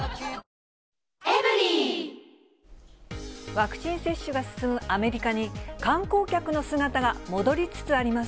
ワクチン接種が進むアメリカに、観光客の姿が戻りつつあります。